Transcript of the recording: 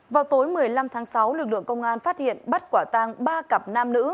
vào tối một mươi năm tháng sáu lực lượng công an phát hiện bắt quả tang ba cặp nam nữ